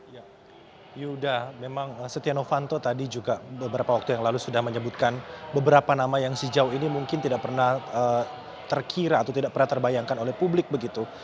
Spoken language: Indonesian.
ya yuda memang setia novanto tadi juga beberapa waktu yang lalu sudah menyebutkan beberapa nama yang sejauh ini mungkin tidak pernah terkira atau tidak pernah terbayangkan oleh publik begitu